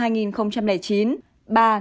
hai nkn nam sinh năm hai nghìn chín